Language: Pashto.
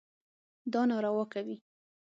دا ناروا کوي.